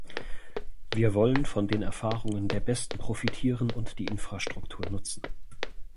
Wir wollen von den Erfahrungen der Besten profitieren und die Infrastruktur nutzen.